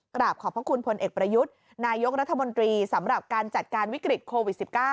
กราบขอบพระคุณพลเอกประยุทธ์นายกรัฐมนตรีสำหรับการจัดการวิกฤตโควิด๑๙